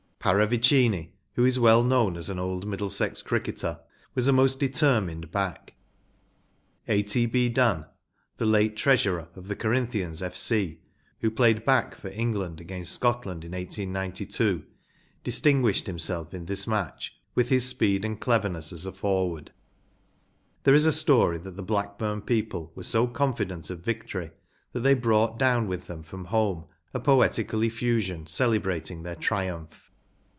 ‚ÄĚ Paravicmi, who is well known as an old Middlesex cricketer, was a most deter¬ mined back. A.T.B, Dunn, the late treasurer of the Corinthians F.C, who played back for England against Scotland in 1892, distinguished him¬ self in this match with his speed and cleverness as a for¬ ward. There is a story that the Blackburn people were so confident of victory that they brought down with them from home a poetical effusion celebrating their triumph.